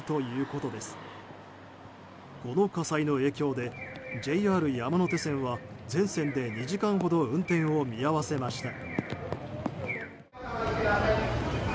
この火災の影響でＪＲ山手線は全線で２時間ほど運転を見合わせました。